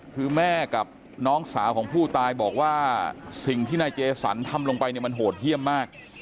คือแม่กับน้องสาวของผู้ตายบอกว่าสิ่งที่นายเจสันทำลงไปเนี่ยมันโหดเยี่ยมมาก